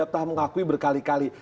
dan sudah mengakui berkali kali